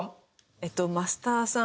えっとマスターさん